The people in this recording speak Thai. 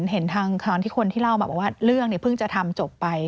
เห็นทางคนที่เล่าเลื่องเนี่ยเพิ่งจะมันทำจบไป